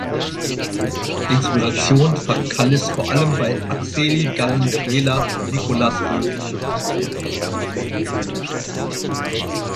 Inspiration fand Kallis vor allem bei Akseli Gallen-Kallela und Nicholas Roerich.